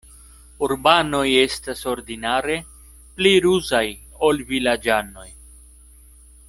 Urbanoj estas ordinare pli ruzaj, ol vilaĝanoj.